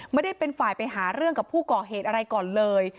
ไม่ได้เป็นฝ่ายไปหาเรื่องกับผู้ก่อเหตุอะไรก่อนเลย